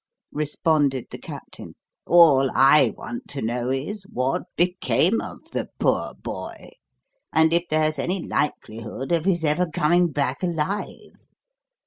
responded the Captain. "All I want to know is, what became of the poor boy, and if there's any likelihood of his ever coming back alive.